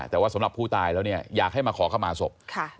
แต่ว่าสำหรับผู้ตายแล้วอยากให้มาขอขมาศพ